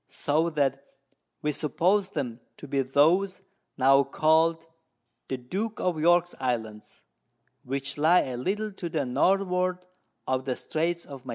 so that we suppose them to be those now call'd The Duke of York's Islands, which lie a little to the Northward of the Straits of Magillan.